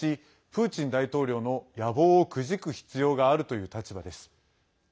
プーチン大統領の野望をくじく必要があるという立場です。